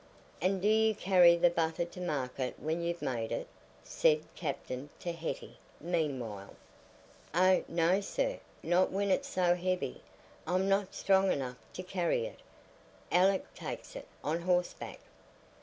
"And do you carry the butter to market when you've made it?" said the Captain to Hetty, meanwhile. "Oh no, sir; not when it's so heavy. I'm not strong enough to carry it. Alick takes it on horseback."